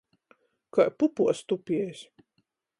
Kai pupuos tupiejs.